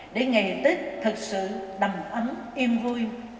để ngày tết thật sự đầm ấm yên vui